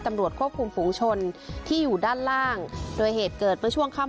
ตำรวจควบคุมฝูงชนที่อยู่ด้านล่างโดยเหตุเกิดเมื่อช่วงค่ำ